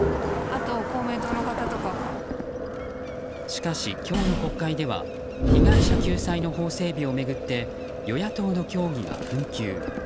しかし、今日の国会では被害者救済の法整備を巡って与野党の協議が紛糾。